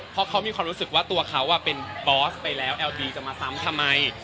เพราะเขามีความรู้สึกว่าตัวเขาเป็นบอสไปแล้วเอลบีจะมาซ้ำทำไม